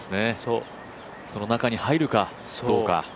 その中に入るか、どうか。